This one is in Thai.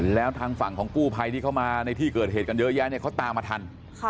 แล้วทางฝั่งของกู้ภัยที่เข้ามาในที่เกิดเหตุกันเยอะแยะเนี่ยเขาตามมาทัน